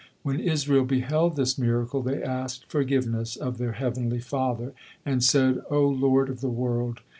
When Israel beheld this miracle, they asked forgiveness of their heavenly Father, and said: "O Lord of the world!